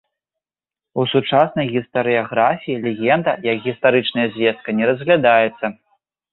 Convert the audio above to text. У сучаснай гістарыяграфіі легенда як гістарычная звестка не разглядаецца.